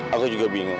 aku juga bingung